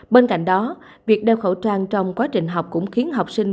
bên cạnh đó việc đeo khẩu trang trong quá trình học cũng khiến học sinh